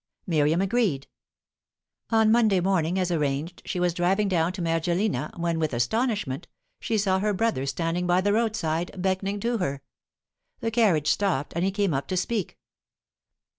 Miriam agreed. On Monday morning, as arranged, she was driving down to the Mergellina, when, with astonishment, she saw her brother standing by the roadside, beckoning to her. The carriage stopped, and he came up to speak.